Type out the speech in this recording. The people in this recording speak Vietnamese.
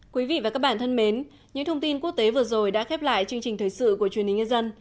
quý vị và các bạn thân mến những thông tin quốc tế vừa rồi đã khép lại chương trình thời sự của truyền hình nhân dân